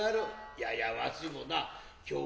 いやいやわしもな今日